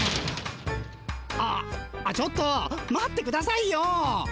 ああっちょっと待ってくださいよ。